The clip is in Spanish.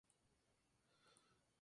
Anteriormente, su nombre era El Destino.